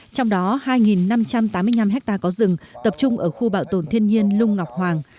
trong đó hai năm trăm tám mươi năm hectare có rừng tập trung ở khu bảo tồn thiên nhiên lung ngọc hoàng